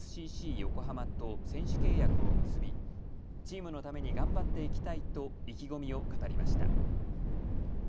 横浜と選手契約を結び、チームのために頑張っていきたいと意気込みを語りました。